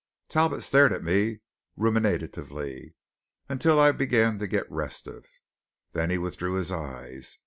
Talbot stared at me, ruminatively, until I began to get restive. Then he withdrew his eyes.